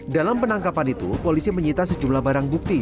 dalam penangkapan itu polisi menyita sejumlah barang bukti